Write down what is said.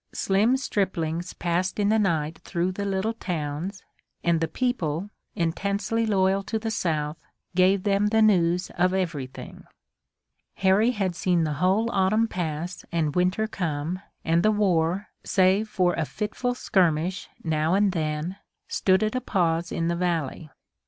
Slim striplings passed in the night through the little towns, and the people, intensely loyal to the South, gave them the news of everything. Harry had seen the whole autumn pass and winter come, and the war, save for a fitful skirmish now and then, stood at a pause in the valley.